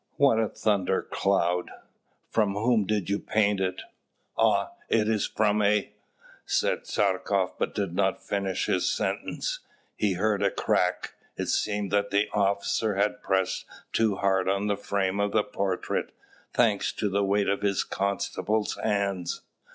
What a thunder cloud! From whom did you paint it?" "Ah! it is from a " said Tchartkoff, but did not finish his sentence: he heard a crack. It seems that the officer had pressed too hard on the frame of the portrait, thanks to the weight of his constable's hands.